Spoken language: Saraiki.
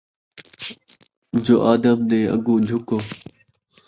جو آدم دے اَڳوں جُھکو،